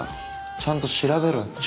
ちゃんと調べろよ情